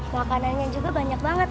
makanannya juga banyak banget